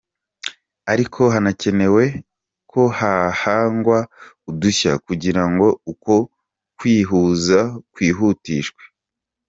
Ariko hanakenewe ko hahangwa udushya kugira ngo uko kwihuza kwihutishwe.